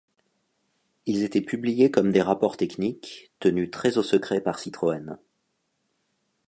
Ils étaient publiés comme des rapports techniques, tenus très au secret par Citroën.